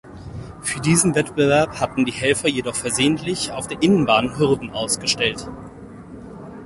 Für diesen Wettbewerb hatten die Helfer jedoch versehentlich auf der Innenbahn Hürden ausgestellt.